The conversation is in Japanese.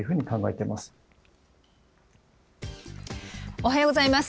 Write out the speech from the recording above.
おはようございます。